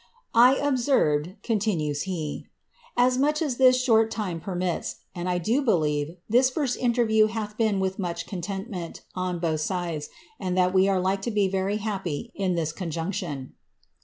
^' 1 observed,^' continues he, «'as much as this short time permits, and I do believe this first interview hath been with much contentment on both sides, and that we are like to be very happy in this conjunction.